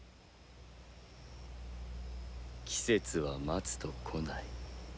季節は待つと来ない。